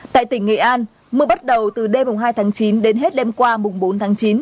tại tỉnh nghệ an mưa bắt đầu từ đêm hai tháng chín đến hết đêm qua bốn tháng chín